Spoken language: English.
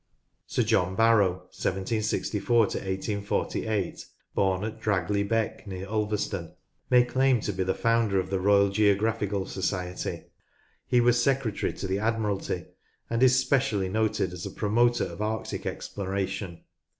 Sir John Barrow (1 764 1 848), born at Dragley Beck near Ulverston, may claim to be the founder of the Royal Geographical Society. He was Secretary to the Admiralty, and is specially noted as a promoter of Arctic exploration.